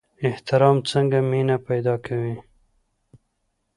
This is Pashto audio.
احترام څنګه مینه پیدا کوي؟